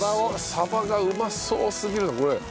さばがうまそうすぎるなこれ。